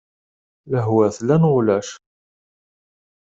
Lehwa tella neɣ ulac?